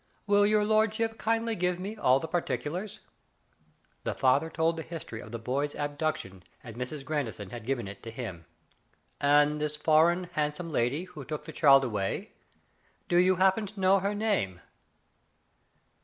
Will your lord ship kindly give me all the particulars ?The father told the history of the boy*s abduc tion, as Mrs. Grandison had given it to him. "And this foreign, handsome lady who took the child away, do you happen to know her name